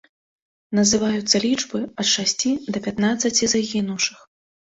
Называюцца лічбы ад шасці да пятнаццаці загінуўшых.